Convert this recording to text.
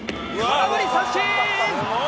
空振り三振！